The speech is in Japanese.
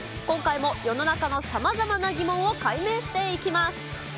今回も世の中のさまざまな疑問を解明していきます。